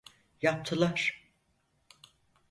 Yaptılar.